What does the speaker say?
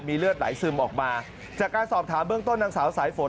เลือดไหลซึมออกมาจากการสอบถามเบื้องต้นนางสาวสายฝน